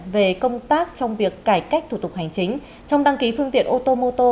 về công tác trong việc cải cách thủ tục hành chính trong đăng ký phương tiện ô tô mô tô